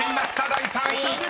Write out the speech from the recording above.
第３位］